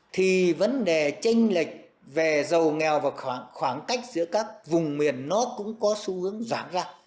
thì vấn đề tranh lệch về giàu nghèo và khoảng cách giữa các vùng miền nó cũng có xu hướng giảm ra